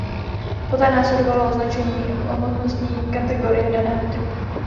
Poté následovalo označení hmotnostní kategorie daného typu.